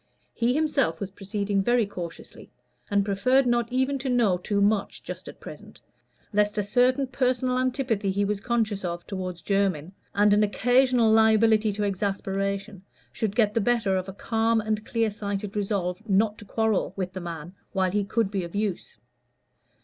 He himself was proceeding very cautiously, and preferred not even to know too much just at present, lest a certain personal antipathy he was conscious of toward Jermyn, and an occasional liability to exasperation, should get the better of a calm and clear sighted resolve not to quarrel with the man while he could be of use.